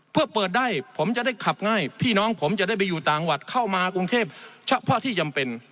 เพื่อเปิดได้ผมจะได้ขับง่ายพี่น้องผมจะได้ไปอยู่ต่างวัดเข้ามากรุงเทพเฉพาะที่จำเป็น